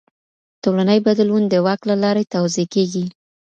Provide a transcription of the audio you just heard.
ټولني بدلون د واک له لاري توضيح کيږي.